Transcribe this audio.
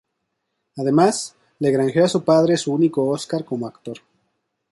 Además, le granjeó a su padre su único Óscar como actor.